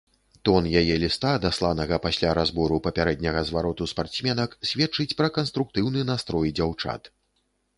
Тон яе ліста, дасланага пасля разбору папярэдняга звароту спартсменак, сведчыць пра канструктыўны настрой дзяўчат.